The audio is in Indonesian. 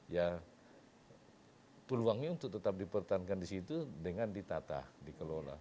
ya peluangnya untuk tetap dipertahankan disitu dengan ditatah dikelola